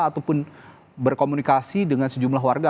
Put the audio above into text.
ataupun berkomunikasi dengan sejumlah warga